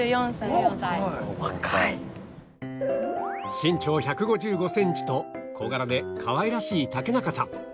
身長１５５センチと小柄でかわいらしい竹中さん